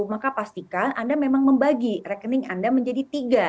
maka pastikan anda memang membagi rekening anda menjadi tiga